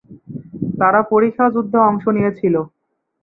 তারা পরিখা যুদ্ধে অংশ নিয়েছিল।